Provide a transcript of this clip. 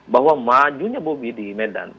bahwa majunya bobi di medan